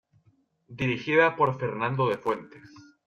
Dirigida por Fernando de Fuentes.